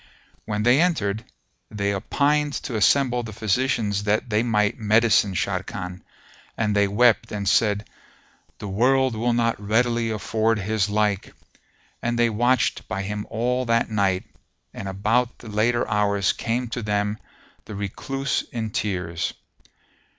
When they entered, they opined to assemble the physicians that they might medicine Sharrkan, and they wept and said, "The world will not readily afford his like!" and they watched by him all that night, and about the later hours came to them the Recluse in tears.